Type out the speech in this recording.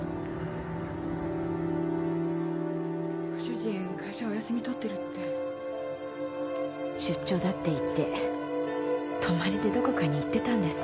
ご主人会社お休み取って出張だって言って泊まりでどこかに行ってたんです。